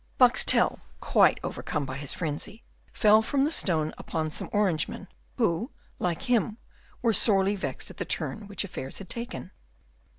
Boxtel, quite overcome by his frenzy, fell from the stone upon some Orangemen, who, like him, were sorely vexed at the turn which affairs had taken.